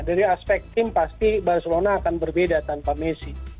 dari aspek tim pasti barcelona akan berbeda tanpa messi